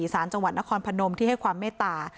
สารจังหวัดนครพนมที่ให้ความเมตตา